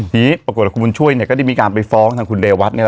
ที่ปรากฏคุณบุญช่วยก็ได้มีการไปฟ้องทางคุณเรวัตร